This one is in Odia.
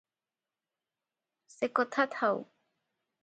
ସେକଥା ଥାଉ ।